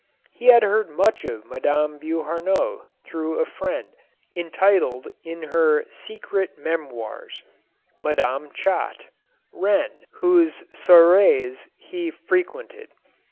He had heard much of Madame Beauhar nois through a friend, entitled in her "Secret Me moirs" Madame Chat ... Een ..., whose soirees he frequented.